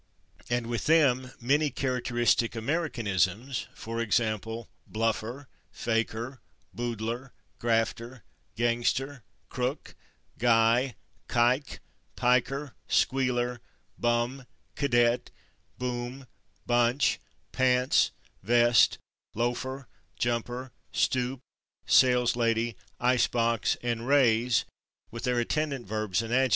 And with them many characteristic Americanisms, [Pg156] for example, /bluffer/, /faker/, /boodler/, /grafter/, /gangster/, /crook/, /guy/, /kike/, /piker/, /squealer/, /bum/, /cadet/, /boom/, /bunch/, /pants/, /vest/, /loafer/, /jumper/, /stoop/, /saleslady/, /ice box/ and /raise/, with their attendant verbs and adjectives.